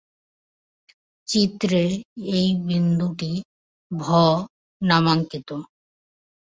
চিত্রে এই বিন্দুটি ভ নামাঙ্কিত।